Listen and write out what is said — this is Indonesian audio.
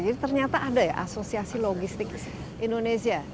jadi ternyata ada ya asosiasi logistik indonesia